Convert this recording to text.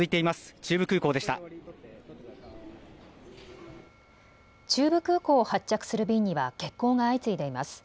中部空港を発着する便には欠航が相次いでいます。